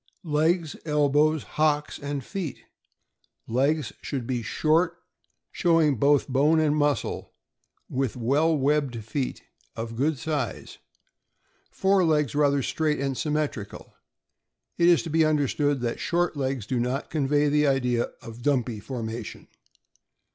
Legs, elbows, liocks, and feet.— Legs should be short, showing both bone and muscle, and with well webbed feet of good size; fore legs rather straight and symmetrical. It is to be understood that short legs do not convey the idea of a dumpy formation.